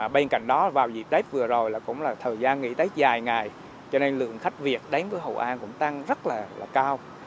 bên cạnh đó vào dịp tết vừa rồi cũng là thời gian nghỉ tết dài ngày cho nên lượng khách việt đến với hội an cũng tăng rất là cao